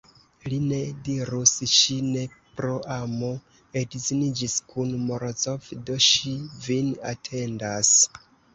Li ne dirus: "ŝi ne pro amo edziniĝis kun Morozov, do ŝi vin atendas".